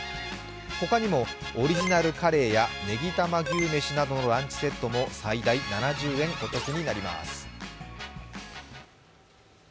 ほかにもオリジナルカレーやネギたま牛めしなどのランチセットも最大７０円お得になります。